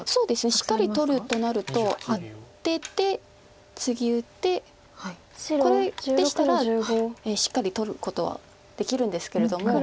しっかり取るとなるとアテてツギ打ってこれでしたらしっかり取ることはできるんですけれども。